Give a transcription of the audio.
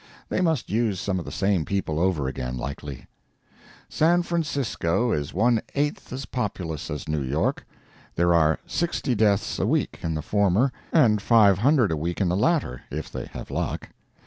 They must use some of the same people over again, likely. San Francisco is one eighth as populous as New York; there are 60 deaths a week in the former and 500 a week in the latter—if they have luck.